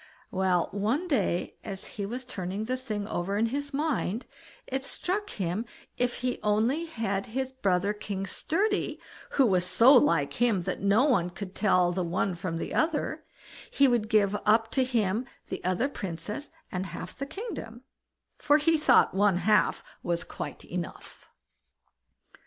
Well, one day as he was turning the thing over in his mind, it struck him if he only had his brother King Sturdy, who was so like him that no one could tell the one from the other, he would give up to him the other princess and half the kingdom, for he thought one half was quite enough.